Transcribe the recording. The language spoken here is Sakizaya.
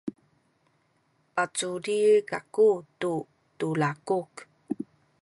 paculil kaku tu tulaku.